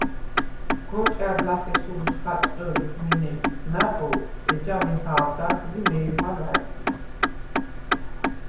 გოჭა̈რ ლახე სურუს ხაჭყჷ̄ლიხ მინე დის ნა̈ბოზს, ეჯა მეჰა̄ვდარდ ლი მე̄რმა ლა̈დღიშდ.